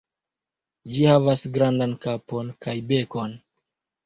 Ĝi havas grandan kapon kaj bekon.